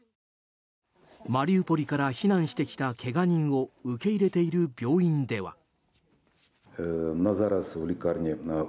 マリウポリから避難してきたけが人を受け入れている病院では。